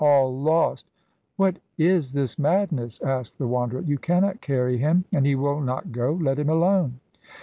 All lost " "What is this madness?" asked the Wanderer. "You cannot carry him, and he will not go. Let him alone."